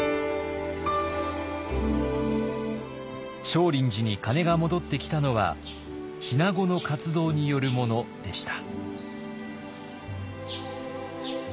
少林寺に鐘が戻ってきたのは日名子の活動によるものでした。